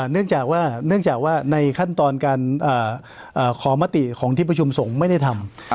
เนื่องจากว่าในขั้นตอนการขอมติของที่ประชุมส่งไม่ได้ทำ